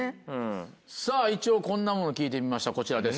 さぁ一応こんなもの聞いてみましたこちらです。